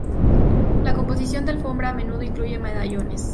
La composición de alfombra a menudo incluye medallones.